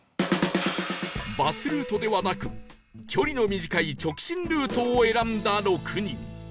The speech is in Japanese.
バスルートではなく距離の短い直進ルートを選んだ６人